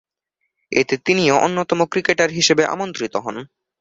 এতে তিনিও অন্যতম ক্রিকেটার হিসেবে আমন্ত্রিত হন।